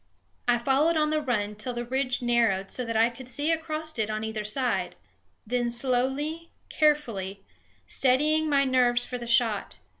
I followed on the run till the ridge narrowed so that I could see across it on either side, then slowly, carefully, steadying my nerves for the shot.